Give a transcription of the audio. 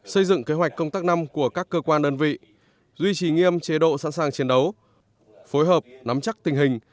xây dựng kế hoạch công tác năm của các cơ quan đơn vị duy trì nghiêm chế độ sẵn sàng chiến đấu phối hợp nắm chắc tình hình